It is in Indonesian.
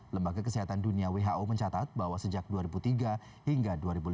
lembaga kesehatan dunia who mencatat bahwa sejak dua ribu tiga hingga dua ribu lima belas